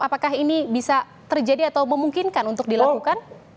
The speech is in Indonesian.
apakah ini bisa terjadi atau memungkinkan untuk dilakukan